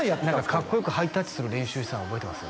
かっこよくハイタッチする練習したの覚えてます？